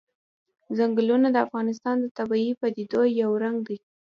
چنګلونه د افغانستان د طبیعي پدیدو یو رنګ دی.